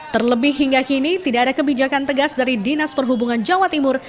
terlebih hingga kini tidak ada kebijakan tegas dari dinas perhubungan jawa timur